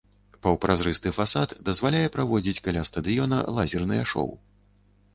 Паўпразрысты фасад дазваляе праводзіць каля стадыёна лазерныя шоу.